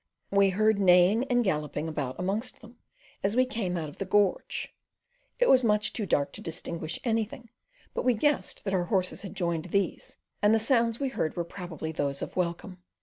We heard great neighing and galloping about amongst them as we came out of the gorge; it was much too dark to distinguish anything, but we guessed that our horses had joined these, and the sounds we heard were probably those of welcome.